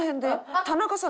田中さん。